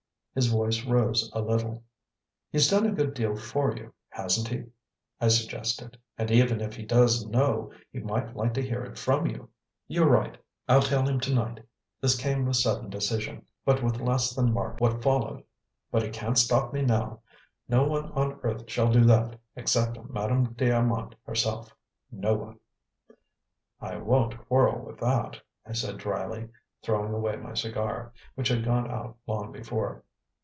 His voice rose a little. "He's done a good deal for you, hasn't he?" I suggested. "And even if he does know he might like to hear it from you." "You're right; I'll tell him to night." This came with sudden decision, but with less than marked what followed. "But he can't stop me, now. No one on earth shall do that, except Madame d'Armand herself. No one!" "I won't quarrel with that," I said drily, throwing away my cigar, which had gone out long before.